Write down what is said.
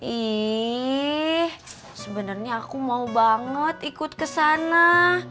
ih sebenernya aku mau banget ikut kesana